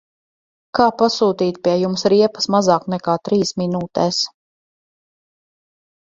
Kā pasūtīt pie jums riepas mazāk nekā trīs minūtēs?